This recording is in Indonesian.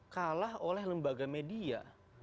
kalah oleh lembaga media